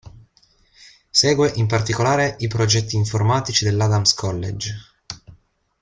Segue in particolare i progetti informatici dell'Adams College.